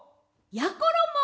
やころも。